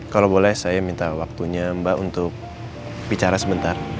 kalau boleh saya minta waktunya mbak untuk bicara sebentar